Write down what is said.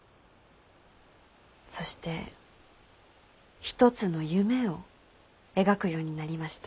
そして一つの夢を描くようになりました。